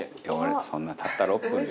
そんなたった６分で。